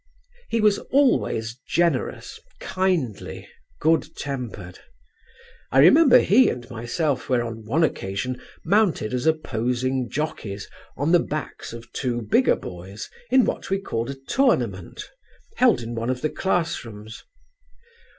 "He was always generous, kindly, good tempered. I remember he and myself were on one occasion mounted as opposing jockeys on the backs of two bigger boys in what we called a 'tournament,' held in one of the class rooms.